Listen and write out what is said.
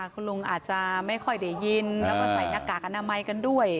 คุณลุงอาจจะไม่ค่อยได้ยินแล้วก็ใส่หน้ากากอนามัยกันด้วย